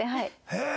へえ！